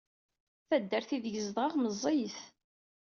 Taddart aydeg zedɣeɣ meẓẓiyet.